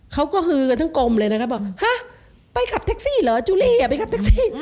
เขาก็ฮือกันทั้งกลมเลยนะครับบอกฮะไปขับแท็กซี่เหรอจุลี่อย่าไปขับแท็กซี่